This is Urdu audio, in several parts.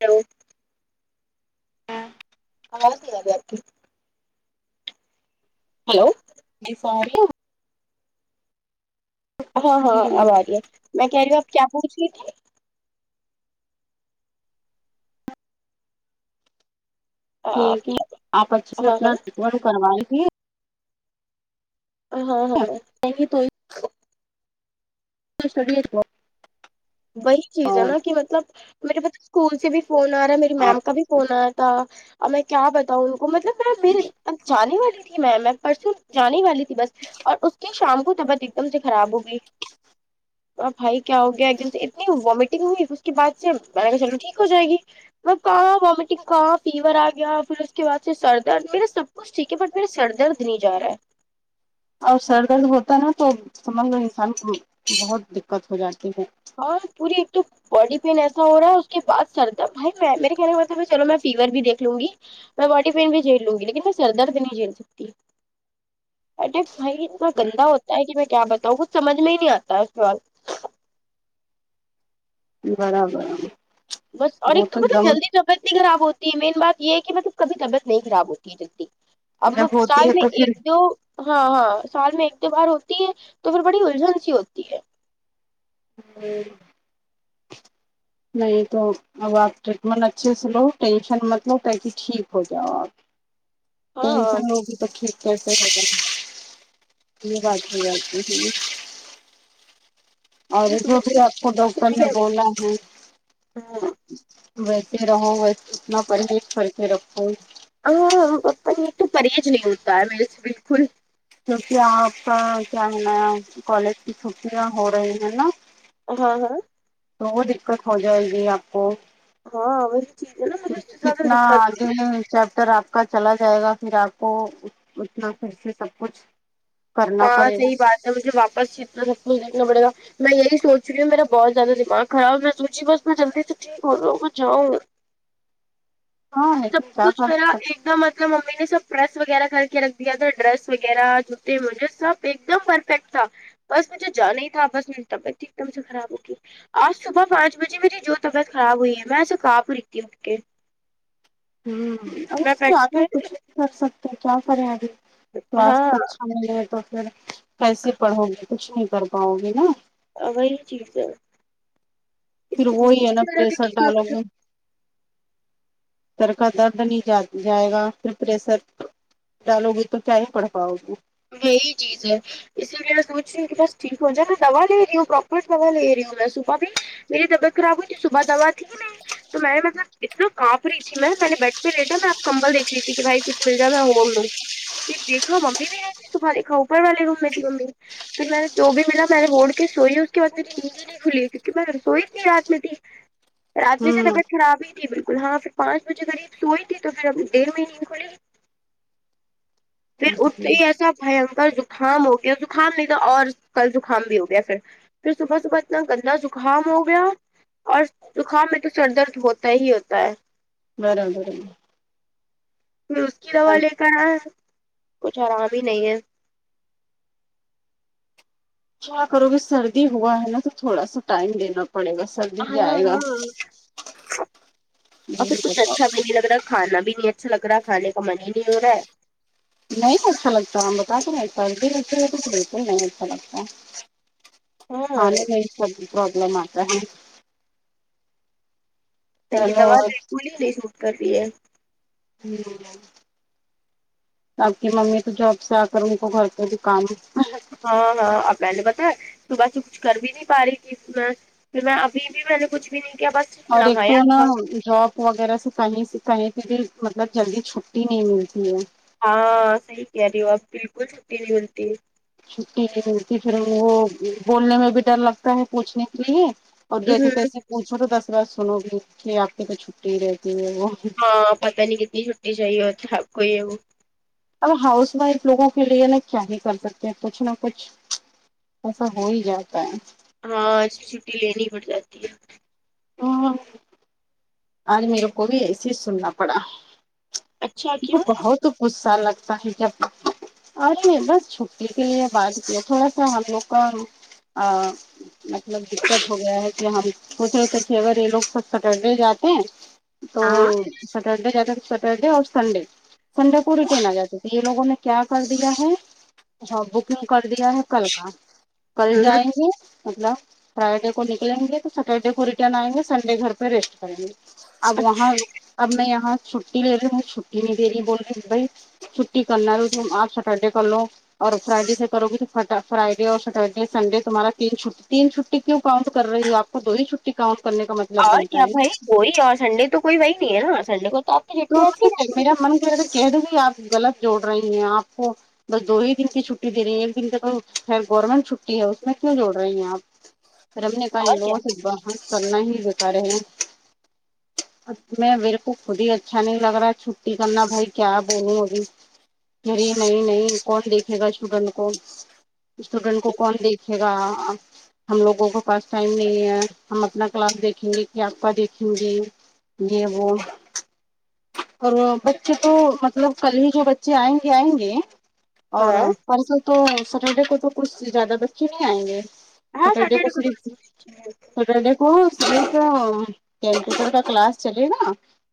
ہیلو جی آواز نہیں آ رہی آپ کی ہیلو جی فاریہ ہاں جی ہاں اب ا رہی ہے میں کہہ رہی ہوں آپ کیا پوچھ رہی تھی یہ ہاں کہ آپ اچھے سے ہاں اپنا ورک کر وایں گے ہاں ہاں نہیں تو [unintelligible] وہی چیز ہے نا کہ مطلب میرے بچے اسکول سے بھی فون آ رہا ہے میری آپ میم کا بھی فون آیا تھا اب میں کیا بتاؤ ان کو مطلب میں میر اب جانے والی تھی میں میں پرسوں جانے والی تھی بس اور اس کی شام کو طبیعت ایک دم سے خراب ہوگئی ا بھائی کیا ہو گیا ایک دن اتنی وامٹنگ ہوئی اس کے بعد سے میں نے کہا چلو ٹھیک ہو جائے گی وہ کہاں وامٹنگ کہاں فیور آ گیا پھر اس کے بعد سے سردر میرا سب کو چ ٹھیک ہے بٹ میرے سر درد نہیں جا رہا ہے اور سر درد ہوتا ہے نا تو سمجھلو انسان کو بہت دقت ہو جاتی ہے ہاں پوری ایک تو باڈی پین ایسا ہو رہا ہے اس کے بعد سر درد بھائی میں میرے کہنے کا مطلب ہے چلو میں فیور بھی دیکھ لوں گی میں باڈی پین بھی جھیل لوں گی لیکن میں سر درد نہیں جھیل سکتی ارے بھائی اتنا گندا ہوتا ہے کہ میں کیا بتاؤں کچھ سمجھ میں ہی نہیں آتا ہے سوال برابر بس اور ایک تو مطلب جلدی طبیعت نہیں خراب ہوتی ہے مین بات یہ ہے کہ مطلب کبھی طبیعت نہیں خراب ہوتی ہے جلدی اب جب ہوتی نسکان ہے میں تو پھر ایک جو ہاں ہاں سال میں ایک دو بار ہوتی ہے تو پھر بڑی الجھن سی ہوتی ہے ہ نہیں تو اب آپ ٹریٹمنٹ اچھے سے لو ٹینشن مت لو تاکہ ٹھیک ہو جاؤ آپ ہاں ٹینشن ہوگی تو ٹھیک کیسے ہوگی یہ بات ہو جاتی اور یہ جو سوچے بھی آپ کو ڈاکٹر نے بولا ہے ویسے رہو ویسے اتنا پرہیش کر کے رکھو ہاں یہ تو پرہز نہیں ہوتا ہے میرے سے بالکل کیونکہ آپ کا کیا ہونا کالج کی چھٹیاں ہو رہی ہیں نا ہاں ہاں تو وہ دقت ہو جائے گی آپ کو ہاں ا کتنا آگے چیپٹر آپ کا چلا جائے گا پھر آپ کو اتنا پھر سے سب کچھ کرنا ہاں پڑے صحی گا بات ہے مجھے واپس اتنا سب کچھ دیکھنا پڑے گا میں یہی سوچ رہی ہوں میرا بہت زیادہ دماغ خراب میں سوچی بس میں جلدی سے ٹھیک ہو جاوں میں جاؤں ہاں ہے جس کا قد اس میں ممی نے سب پریس وغیرہ کر کے رکھ دیا تھا ڈریس وغیرہ جوتے مجھے سب ایک دم پرفیکٹ تھا بس مجھے جانا ہی تھا بس میری طبیعت ہی ایک دم سے خراب ہوگی آج صبح پانچ بجے میری جو طبیعت خراب ہوئی ہے میں ایسے کاپ رہی تھی اٹھ کے ہ اب میں اس کے بیڈ اگے پہ کچھ نہیں کر سکتے کیا کریں ابھی ہاں سواست اچ ہمے تو پھر کیسے پڑھو گی کچھ نہیں کر پاؤ گی نا وہی چیز ہے پھر وہی ہے نا پریشر ڈالو [inaudible] گے سر کا درد نہیں جائے گا پھر پریسر ڈالو گی تو کیا ہی پڑ پاؤ گی یہی چیز ہے اسی لیے میں سوچ رہی ہوں کہ بس ٹھیک ہو جائے میں دوا لے رہی ہوں پراپر دوا لے رہی ہوں میں صبح بھی میری طبیعت خراب ہوئی تھی صبح دوا تھی نہیں تو میں مطلب اتنا کانپ رہی تھی میں میں نے بیڈ پر لیٹا میں آپ کمبل دیکھ رہی تھی کہ بھائی کچھ کمبل مل جائے میں کھول دوں پھر دیکھا ممی بھی نہیں تھی صبح دیکھا اوپر والے روم میں تھی ممی پھر میں نے جو بھی ملا میں نے اوڈھ کے سوئی اس کے بعد میری نیدی کھلی کیونکہ میں سوئی تھی رات میں تھی رات میں سے ہوں طبیعت خرابی تھی جی بالکل ہاں پھر پانچ بجے کاریب سوئی تھی تو پھر اب دیر میں نیند کھلیگی پھر اٹھتے ہی ایسا بھیانکر زکھام ہو گیا زکھام نہیں تھا اور کل زکھام بھی ہو گیا پھر پھر صبح صبح اتنا گندا زکھام ہو گیا اور زکھام میں تو سر درد ہوتا ہی ہوتا ہے برابر پھر اس کی دوا لے کر آیا کچھ آرام ہی نہیں ہے کیا کرو گے سردی ہوا ہے نا تو تھوڑا سا ٹائم دینا پڑے گا سر ہاں ہاں اور پھر یہی کچھ بتاؤ اچھا بھی نہیں لگ رہا کھانا بھی نہیں اچھا لگ رہا کھانے کا من ہی نہیں ہو رہا ہے نہیں اچھا لگتا ہم بتاتے نہ ایک بار نہیں [unintelligible] اچھے ل تو بالکل نہیں اچھا لگتا ہاں کھانے میں بھی سب پرابلم آتا ہے یہ چلو دوا اور بالکل ہی نہیں ش [unintelligible] وٹ کر رہی ہے ہوں آپ کی ممی تو جاب سے آ کر ان کو گھر پہ بھی کام ہے ہاں ہاں اپ پہلے بتا ہے صبح سے کچھ کر بھی نہیں پا رہی تھی اس میں پھر میں ابھی بھی میں نے کچھ بھی نہیں کیا بس اور ایک تو نہایا ہے نا تھا جاب وغیرہ سے کہیں سے کہیں سے بھی مطلب جلدی چھٹی نہیں ملتی ہے ہاو صحیح کہہ رہی ہو آپ بالکل چھٹی نہیں ملتی ہے چھٹی ہوتی پھر وہ بولنے میں بھی ڈر لگتا ہے پوچھنے کے لیے اور جیسے تیسے پوچھو تو دس بات سنو گی کہ آپ کی تو چھٹی ہی رہتی ہے وہ ہاں پتہ نہیں کتنی چھٹی چاہیے ہوتی ہے اپ کو یہ وہ اب ہاؤس وائف لوگوں کے لیے نا کیا ہی کر سکتے ہیں کچھ نہ کچھ ایسا ہو ہی جاتا ہے ہاں اس چھٹی لینی پڑ جاتی ہے ہاں آج میرے کو بھی ایسیچ سننا پڑا اچھا ان کو کیوں ہاں بہت غصہ لگتا ہے جب ارے ایک بار چھٹی کے لیے بات کیا تھوڑا سا ہم لوگ کا مطلب دقت ہو گیا ہے کہ ہم سوچے اگر یہ لوگ سب سٹرڈے جاتے ہیں تو ہاں سٹرڈے جاتا تھا سٹرڈے اور سنڈے سنڈے کو ریٹین آ جاتے یہ لوگوں نے کیا کر دیا ہے ہاں بکنگ کر دیا ہے کل کا کل جائیں گے مطلب فرائیڈے کو نکلیں گے تو سٹرڈے کو ریٹرن آئیں گے سنڈے گھر پہ ریسٹ کریں گے اب اچھا وہاں اب میں یہاں چھٹی لے رہی ہوں چھٹی نہیں دے رہی بول رہی بھائی چھٹی کرنا ہے تو تم آج سٹرڈے کر لو اور فرائیڈے سے کرو گی تو فرائیڈے اور سیٹرڈے سنڈے تمہارا تین چھٹی تین چھوٹی کیوں کاؤنٹ کر رہی ہو آپ دو ہی چھٹی کاؤنٹ کرنے کا مط اور کیا بھائی وہی اور سنڈے تو کوئی وہی نہیں ہے نا سنڈے کو تو اپ کی تو چھٹی ایسی ہی رہتی میرا ہے من کہرہا ہے کہہ دی آپ غلط جوڑ رہی ہیں آپ کو بس دو ہی دن کی چھٹی دے رہی ہیں ایک دن کے تو گورنمنٹ چھٹی ہے اس میں کیوں جوڑ رہی ہیں آپ رمنے کائ [unintelligible] اور لو کیا صبا کرنا ہی بتا رہے ہیں میں میرے کو خود ہی اچھا نہیں لگ رہا ہے چھٹی کرنا بھائی کیا بولوں ابھی نہیں نہیں کون دیکھے گا اسٹوڈنٹ کو اسٹوڈینٹ کو کون دیکھے گا ہم لوگوں کے پاس ٹائم نہیں ہے ہم اپنا کلاس دیکھیں گے کہ آپ کا دیکھیں گے یہ وہ اور وہ بچے تو مطلب کل ہی جو بچے آئیں گے آئیں گے اور ہاں پرسوں تو سٹرڈے کو تو کچھ زیادہ بچے نہیں آئیں گے ہاں سٹرڈے کو تو صرف ایسی ہی رہتی سٹرڈے کو سر تو کیپوٹر کا کلاس چلے گا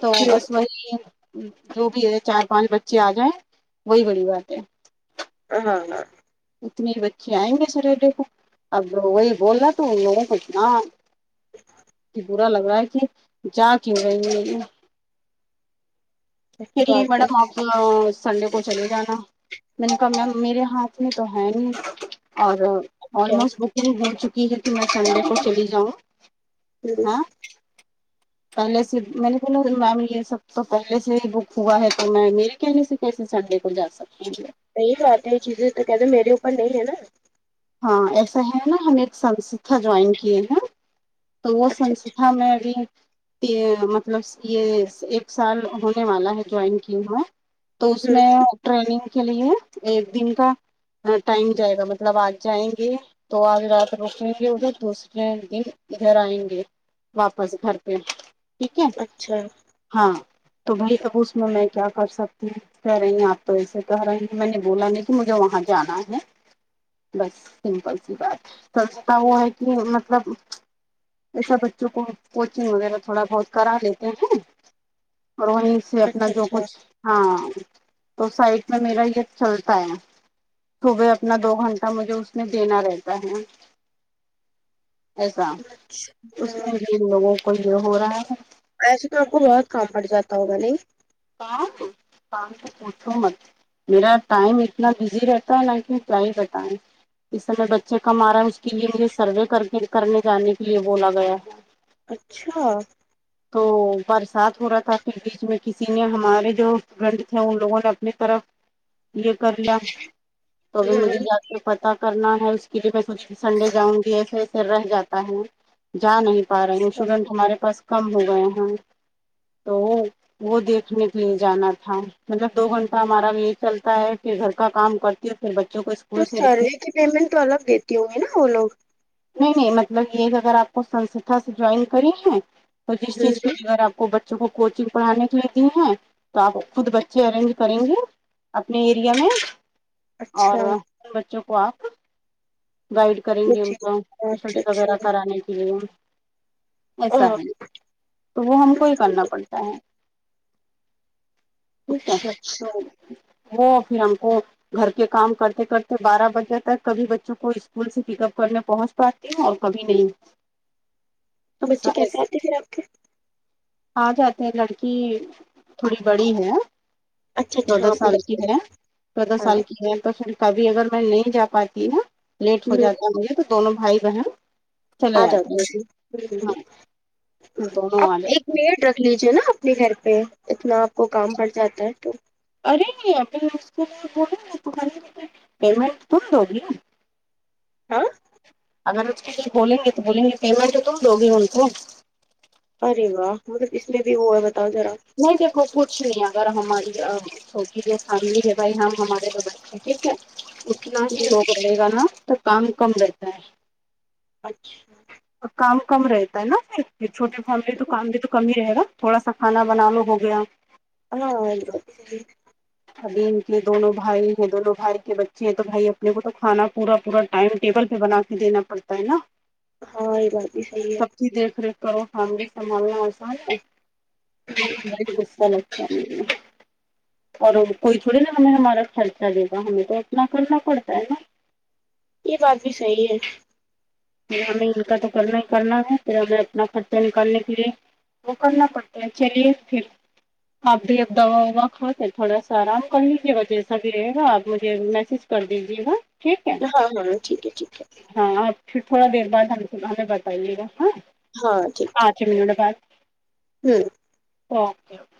تو ہے۔ بس وہی ہے جو بھی ہے چار پانچ بچے آ گئے وہی بڑی بات ہے ہاں ہاں اتنے بچے آئیں گے سٹرڈے کو اب وہی بول نہ تو ان لوگوں کونا برا لگ رہا ہے کہ جا کیوں رہی ہے یہ اچھی پھر یہ بات ہے میڈم آپ سنڈے کو چلے جانا میں نے کہا میم میرے ہاتھ اس میں تو ہے نہیں اور کیا آلموسٹ بک وہ ہو چکی ہے تو میں سنڈے کو چلی جاؤں ہاں پہلے سے میں نے بولا میم یہ سب تو پہلے سے ہی بک ہوا ہے تو میں میرے کہنے سے ویسے سنڈے کو جا سکتی ہوں میں صحیح بات ہے یہ چیزیں تو کہتے ہیں میرے اوپر نہیں ہے نا ہاں ایسا ہے نا ہم ایک سنستھا جوائن کیے ہیں نہ تو وہ اچھا سنستھا میں ابھی تی یہ مطلب یہ ایک سال ہونے والا ہے جوائن کی ہوں میں تو اس میں ٹریننگ کے لیے ایک دن کا ٹائم جائے گا مطلب آج جائیں گے تو آج رات رکیں گے ادھر دوسرے دن ادھر آئیں گے واپس گھر پہ ٹھیک ہے اچھا ہاں تو بھائی اب اس میں میں کیا کر سکتی ہوں کہہ رہی ہیں آپ تو ایسے کہہ رہی ہیں میں نے بولا نہیں کہ مجھے وہاں جانا ہے بس سمپل سی بات ہے سنستھا وہ ہے کہ مطلب ایسا بچوں کو کوچنگ وغیرہ تھوڑا بہت کرا لیتے ہیں اور وہیں سے اچھا اپنا اچھا جو اچھا کچھ ہاں تو سائیڈ میں میرا یہ چلتا ہے صبح اپنا دو گھنٹ تب مجھے اس میں دینا رہتا ہے ایسا اس اچھا میں بھی ان لوگوں کو یہ ہورہا ہے ایسے تو آپ کو بہت کام پڑ جاتا ہوگا نہیں کام کام تو پوچھو مت میرا ٹائم اتنا بزی رہتا ہے نہ کہ لا ئیں بتا ئیں اس سمے بچے کمارا ہے اس کے لیے مجھے سروے کر کے کرنے جانے کے لیے بولا گیا ہے اچھا تو برسات ہو رہا تھا پھر بیچ میں کسی سینئر ہمارے جو گنت ہے ان لوگوں نے اپنی طرف یہ کر لیا تو بھی مجھے اچھا یاد تو پتہ کرنا ہے اس کے لیے میں سوچ رہی تھی سنڈے جاؤں گی ایسے ایسے رہ جاتا ہے نا جا نہیں پا رہے ہیں اسٹوڈنٹ ہمارے پاس کم ہو گئے ہیں تو وہ وہ دیکھنے کے لیے جانا تھا مطلب دو گھنٹہ ہمارا یہی چلتا ہے کہ گھر کا کام کر کے پھر بچوں کو اسک تو سروے کی پیمنٹ تو الگ دیتی ہوں گی نا وہ لوگ نہیں نہیں مطلب یہ کہ اگر آپ کو سنستھا سے جوائن کری ہے تو جس ہوں چیز کے ہوں لیے اگر آپ کو بچ بچوں کو کوچنگ پڑھانے کے لیے دی ہیں تو آپ خود بچے ارینج کریں گے اپنے ایریا میں اور اچھا بچوں کو آپ گائیڈ کریںنگے جی کو اچھا اسٹڈی اچھا وغیرہ کرانے کے لیے ایسا اوہ، ہے تو وہ ہم کو ہی کرنا پڑتا ہے ٹھیک ہے اچھا تو اچھا وہ پھر ہم کو گھر کے کام کرتے کرتے بارہ بجے تک کبھی بچوں کو اسکول سے پک اپ کرنے پہنچ پاتی ہوں اور کبھی نہیں تو ایسا بچے کیسے ایس آتے پھر آپ کے آ جاتے ہیں لڑکی تھوڑی بڑی ہے اچھا اچھا چودہ ہاں آپ نے سال کی بتایا ہے چودہ ہاں سال کی ہے تو پھر کبھی اگر میں نہیں جا پاتی ہوں لیٹ ہو ہوں جاتا مجھے تو دونوں بھائی بہن چلے آ آتے جاتے ہیں پھر ہوں ہاں پھر دونوں آپ آ جاتے ایک میڈ رکھ لیجیے نا اپنے گھر پہ اتنا آپ کو کام پڑ جاتا ہے تو ارے اپن نے اس کو بول بولا نہ پیمنٹ تم دوگی نا ہاں اگر اس کے کچھ بولیں گے تو بولیں گے پیمنٹ تو تم دو گے نہ ان کو ارے واہ مطلب اس میں بھی وہ ہے بتاؤ ذرا نہیں دیکھو کچھ نہیں اگر ہماری آ اسکی جو فیملی لگای ہے ہمارے دو بچےٹھیک ہے لوگ ہی ہوں روک رہے گا نا تو کام کم رہتا ہے اچھا کام کم رہتا ہے نا پھر یہ چھوٹی فیملی ہے تو کام بھی تو کم ہی رہے گا تھوڑا سا کھانا بنا لو ہو گیا ہاں یہ بات بھی صحیح ہے [unintelligible] ابھی ان کے دونوں بھائی ہیں دونوں بھائی کے بچے ہیں تو بھائی اپنے کو تو کھانا پورا پورا ٹائم ٹیبل پہ بنا دینا پڑتا ہے نا ہاں یہ بات [unintelligible] سب کی دیکھ ریکھ کرو فیملی سنبھالنا آسان ہے بھائی ایسا لگتا نہیں ہے اور کوئی تھوڑی نا ہمیں ہمارا خرچہ دے گا ہمیں تو اپنا کرنا پڑتا ہے نا یہ بات بھی صحیح ہے پھر ہمیں ان کا تو کرنا ہی کرنا ہے پھر ہمیں اپنا خرچہ نکالنے کے لیے وہ کرنا پڑتا ہے چلیے پھر آپ بھی اب دوا ووا کھا کے تھوڑا سا آرام کر لیجیے گا جیسا بھی رہے گا آپ مجھے میسج کر دیجیے گا ٹھیک ہے ہاں ہاں ٹھیک ہے ٹھیک ہے ہاں آپ پھر تھوڑا دیر بعد ہم ہمیں بتائیے گا ہاں ہاں ٹھیک ٹھیک [unintelligible] ہوں [unintelligible] وہ آپکے ہیں